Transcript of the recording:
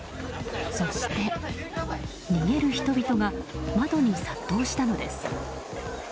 そして逃げる人々が窓に殺到したのです。